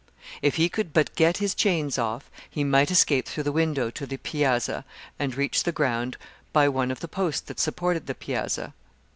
If he could but get his chains off, he might escape through the window to the piazza, and reach the ground by one of the posts that supported the piazza.